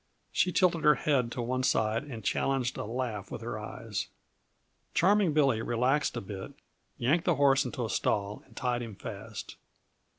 She tilted her head to one side and challenged a laugh with her eyes. Charming Billy relaxed a bit, yanked the horse into a stall and tied him fast.